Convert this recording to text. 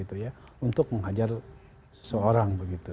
untuk menghajar seseorang